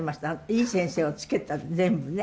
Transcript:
いい先生をつけたって全部ね。